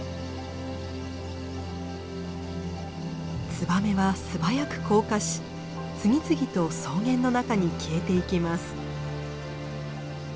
ツバメは素早く降下し次々と草原の中に消えていきます。